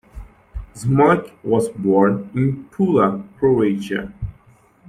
Smolec was born in Pula, Croatia.